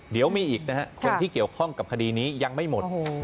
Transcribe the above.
เดี๋ยวมีอีกนะฮะคนที่เกี่ยวข้องกับคดีนี้ยังไม่หมด